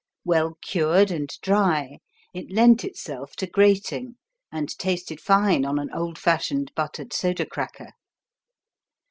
Well cured and dry, it lent itself to grating and tasted fine on an old fashioned buttered soda cracker.